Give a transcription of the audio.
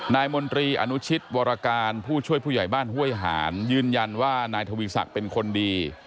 มนตรีอนุชิตวรการผู้ช่วยผู้ใหญ่บ้านห้วยหานยืนยันว่านายทวีศักดิ์เป็นคนดี